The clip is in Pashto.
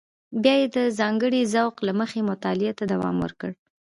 بیا یې د ځانګړي ذوق له مخې مطالعه ته دوام ورکړ.